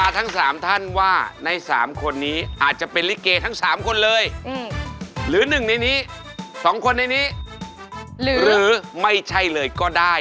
ต้องใส่นี้อีกตั้งประมาณกี่ชิ้นครับ